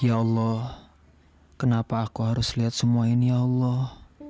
ya allah kenapa aku harus lihat semua ini ya allah